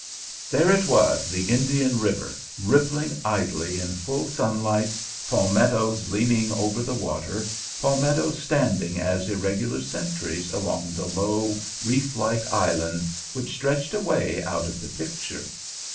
There it was, the Indian River, rippling idly in full sunlight, palmettos leaning over the water, palmettos standing as irregular sentries along the low, reeflike island which stretched away out of the picture.